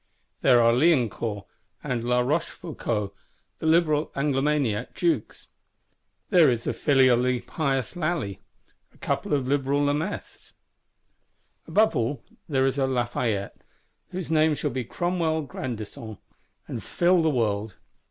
There are Liancourt, and La Rochefoucault; the liberal Anglomaniac Dukes. There is a filially pious Lally; a couple of liberal Lameths. Above all, there is a Lafayette; whose name shall be Cromwell Grandison, and fill the world.